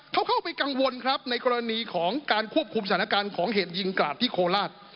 เขาเข้าไปกังวลครับในกรณีของการควบคุมสถานการณ์ของเหตุยิงกราดที่โคราช